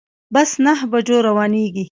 بس نهه بجو روانیږي